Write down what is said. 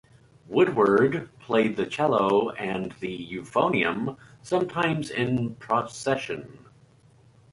Woodward played the cello, and the euphonium, sometimes in procession.